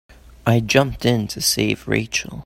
I jumped in to save Rachel.